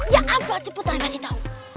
ya ampun cepetan kasih tau